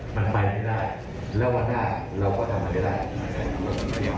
มันไปให้ได้และวันหน้าเราก็ทำให้ได้